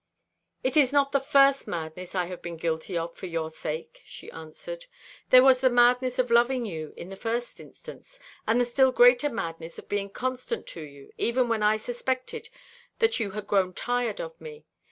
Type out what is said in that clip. "It is not the first madness I have been guilty of for your sake," she answered. "There was the madness of loving you, in the first instance; and the still greater madness of being constant to you; even when I suspected that you had grown tired of me.